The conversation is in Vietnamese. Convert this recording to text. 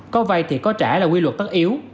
có vay thì có trả là quy luật tất yếu